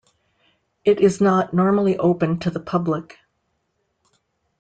It is not normally open to the public.